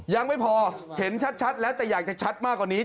ยังไม่พอเห็นชัดแล้วแต่อยากจะชัดมากกว่านี้